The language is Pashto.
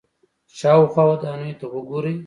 شاوخوا ودانیو ته وګورئ.